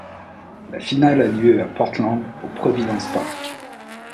La finale a lieu à Portland au Providence Park.